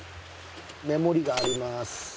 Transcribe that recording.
目盛りがあります。